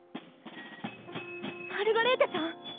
マルガレーテちゃん⁉え？